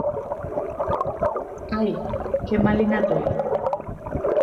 ¡Ai, qué malina toi!